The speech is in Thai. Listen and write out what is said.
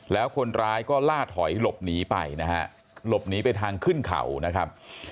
แล้วคนร้ายก็ล่าถอยหลบหนีไปนะฮะหลบหนีไปทางขึ้นเขานะครับ